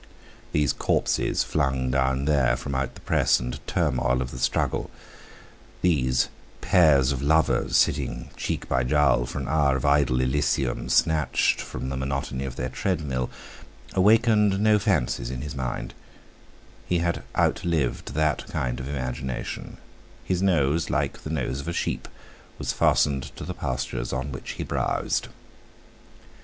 These corpses flung down, there, from out the press and turmoil of the struggle, these pairs of lovers sitting cheek by jowl for an hour of idle Elysium snatched from the monotony of their treadmill, awakened no fancies in his mind; he had outlived that kind of imagination; his nose, like the nose of a sheep, was fastened to the pastures on which he browsed.